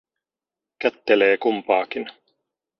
Kättelee kumpaakin.